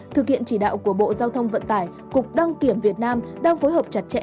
thực hiện chỉ đạo của bộ giao thông vận tải cục đăng kiểm việt nam đang phối hợp chặt chẽ